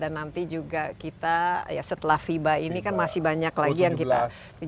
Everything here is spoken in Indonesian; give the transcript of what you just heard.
dan nanti juga kita ya setelah fiba ini kan masih banyak lagi yang kita